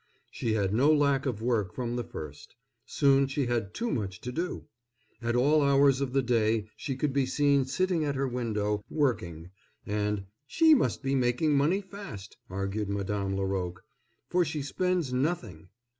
She had no lack of work from the first; soon she had too much to do. At all hours of the day she could be seen sitting at her window, working, and "she must be making money fast," argued Madame Laroque, "for she spends nothing."